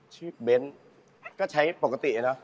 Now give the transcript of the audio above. ชื่อเบ้นก็ใช้ปกติจนนะ